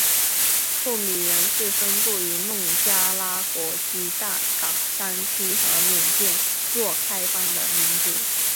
库米人是分布于孟加拉国吉大港山区和缅甸若开邦的民族。